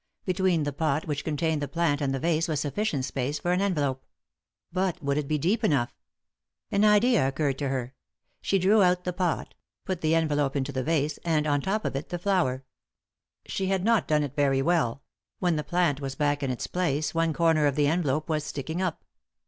Between the pot which contained the plant and the vase was sufficient space for an envelope. But would it be deep enough ? An idea I3Q 3i 9 iii^d by Google THE INTERRUPTED KISS occurred to her. She drew out the pot ; put the envelope into the vase, and, on top of it the flower. She had not done it very well ; when the plant was back in its place one comer of the envelope was sticking op.